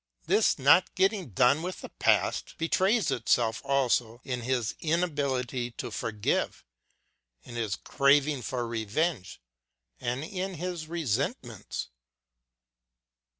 This not getting done with the past betrays itself also in his inability to forgive, in his craving for revenge and in his resentments.